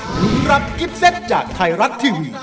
หรือรับกิฟเซตจากไทยรัฐทีวี